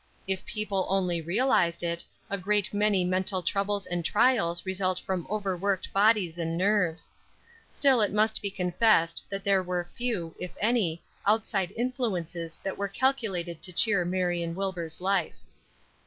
If people only realized it, a great many mental troubles and trials result from overworked bodies and nerves. Still, it must be confessed that there were few, if any, outside influences that were calculated to cheer Marion Wilbur's life.